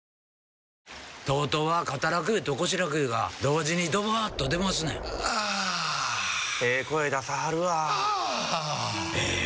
ＴＯＴＯは肩楽湯と腰楽湯が同時にドバーッと出ますねんあええ声出さはるわあええ